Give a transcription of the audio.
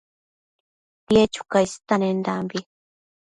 tied chuca istenendambi